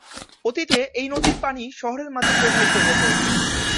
অতীতে এই নদীর পানি শহরের মাঝে প্রবাহিত হতো।